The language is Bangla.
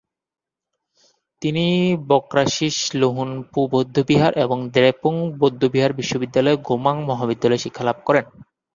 তিনি ব্ক্রা-শিস-ল্হুন-পো বৌদ্ধবিহার এবং দ্রেপুং বৌদ্ধবিহার বিশ্ববিদ্যালয়ের গোমাং মহাবিদ্যালয়ে শিক্ষালাভ করেন।